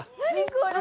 これ！